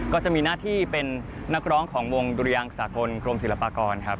ก็จะมีหน้าที่เป็นนักร้องของวงดุรยางสากลกรมศิลปากรครับ